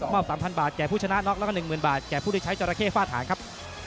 ๓๐๐บาทแก่ผู้ชนะน็อกแล้วก็๑๐๐บาทแก่ผู้ที่ใช้จราเข้ฟาดหางครับ